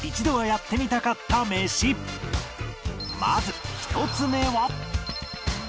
まず１つ目は